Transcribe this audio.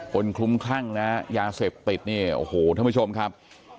คลุ้มคลั่งนะฮะยาเสพติดเนี่ยโอ้โหท่านผู้ชมครับ